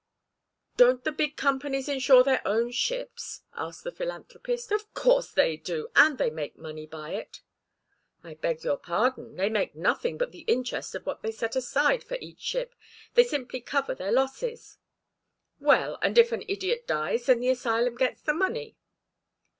"Don't the big companies insure their own ships?" asked the philanthropist. "Of course they do, and they make money by it." "I beg your pardon. They make nothing but the interest of what they set aside for each ship. They simply cover their losses." "Well, and if an idiot dies, then the asylum gets the money."